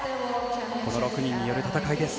この６人による戦いです。